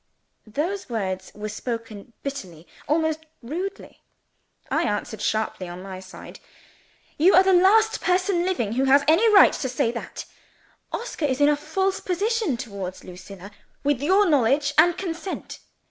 Those words were spoken bitterly almost rudely. I answered sharply on my side. "You are the last person living who has any right to say that. Oscar is in a false position towards Lucilla, with your knowledge and consent.